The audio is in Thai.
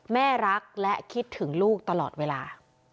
แม่รักและคิดถึงลูกตลอดเวลา